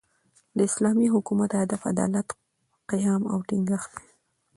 د اسلامي حکومت، هدف عدالت، قیام او ټینګښت دئ.